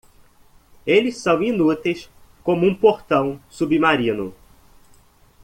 Eles são inúteis como um portão submarino.